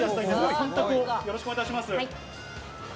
よろしくお願いします。